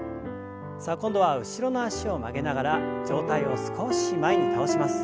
さあ今度は後ろの脚を曲げながら上体を少し前に倒します。